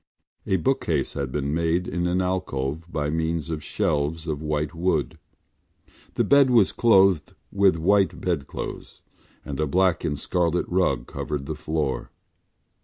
A bookcase had been made in an alcove by means of shelves of white wood. The bed was clothed with white bedclothes and a black and scarlet rug covered the foot.